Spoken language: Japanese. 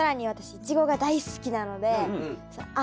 イチゴが大好きなのでああ